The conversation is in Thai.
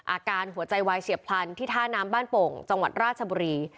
อาการหัวใจวายเฉียบพลันที่ท่าน้ำบ้านโป่งจังหวัดราชบุรี